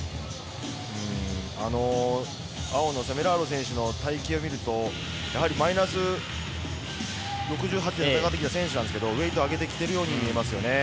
青のセメラーロ選手の体形を見るとマイナス６８の選手なんですが、ウエイト上げてきているように見えますね。